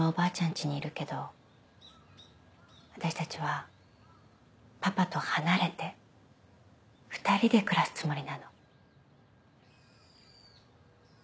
家にいるけど私たちはパパと離れて２人で暮らすつもりなの。